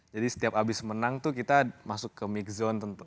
jadi setiap habis menang tuh kita masuk ke mid zone